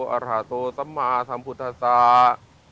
อาถาโทสัมมาสัมพุทธศาสตร์